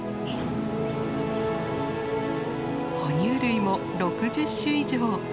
哺乳類も６０種以上。